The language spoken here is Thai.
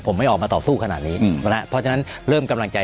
ผมไม่ออกมาต่อสู้ขนาดนี้เพราะฉะนั้นเริ่มกำลังใจ